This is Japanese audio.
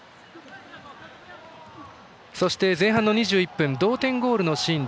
そして、前半の２１分同点ゴールのシーン。